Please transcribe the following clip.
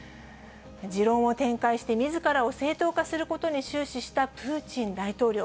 持論を展開してみずからを正当化することに終始したプーチン大統領。